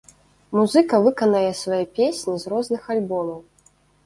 Музыка выканае свае песні з розных альбомаў.